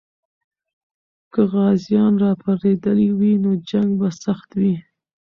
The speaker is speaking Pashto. که غازیان راپارېدلي وي، نو جنګ به سخت وي.